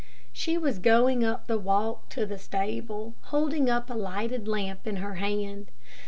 She was going up the walk to the stable, holding up a lighted lamp in her hand.